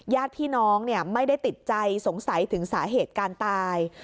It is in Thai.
ญาติพี่น้องไม่ได้ติดใจสงสัยถึงสาเหตุการตาย